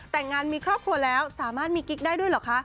แต่งงานมีครอบครัวแล้วสามารถมีกิ๊กได้ด้วยเหรอคะ